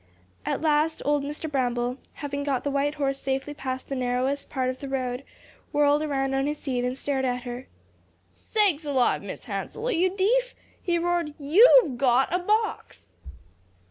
And at last old Mr. Bramble, having got the white horse safely past the narrowest part of the road, whirled around on his seat and stared at her. "Sakes alive, Mis' Hansell, are you deef?" he roared. "_You've got a box.